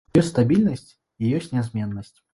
Ёсць стабільнасць і ёсць нязменнасць.